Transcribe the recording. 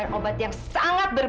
untuk perbahasan diri